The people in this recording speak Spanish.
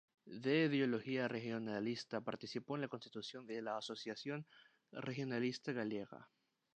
De ideología regionalista participó en la constitución de la Asociación Regionalista Gallega.